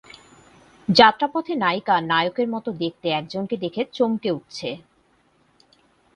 যাত্রাপথে নায়িকা নায়কের মতো দেখতে একজনকে দেখে চমকে উঠছে।